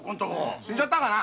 死んじゃったかな。